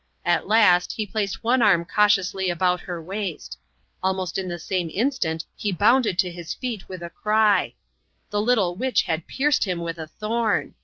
At last, he placed one arm cautiously about her waist ; almost in the same instant he bounded to his feet, with a cry; the little witch had pierced him with a thorn.